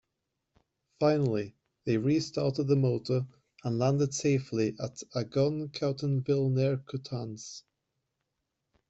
Finally, they restarted the motor and landed safely at Agon-Coutainville near Coutances.